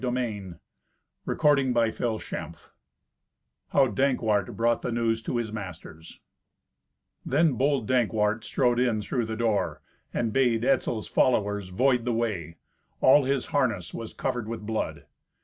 Thirty Third Adventure How Dankwart Brought the News to His Masters Then bold Dankwart strode in through the door, and bade Etzel's followers void the way; all his harness was covered with blood.